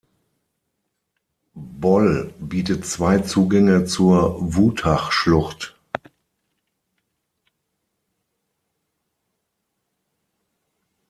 Boll bietet zwei Zugänge zur Wutachschlucht.